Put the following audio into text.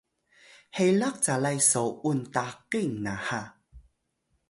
helax calay so’un takil naha